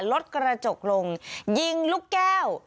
รถกระจกลงยิงลูกแก้ว